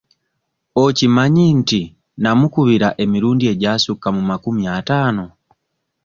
Okimanyi nti nnamukubira emirundi egyasukka mu makumi ataano?